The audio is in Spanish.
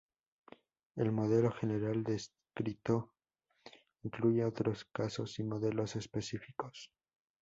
El modelo general descrito incluye otros casos y modelos específicos.